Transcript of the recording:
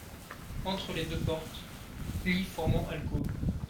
Entre les deux portes, lit formant alcôve.